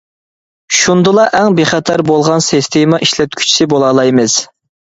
شۇندىلا ئەڭ بىخەتەر بولغان سىستېما ئىشلەتكۈچىسى بولالايسىز.